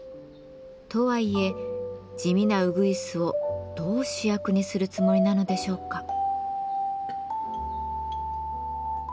とはいえ地味なうぐいすをどう主役にするつもりなのでしょうか？